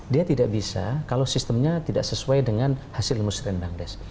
dia tidak bisa kalau sistemnya tidak sesuai dengan hasil musrendang des